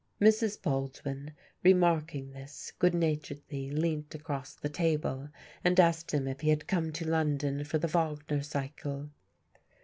Mrs. Baldwin, remarking this, good naturedly leant across the table and asked him if he had come to London for the Wagner cycle.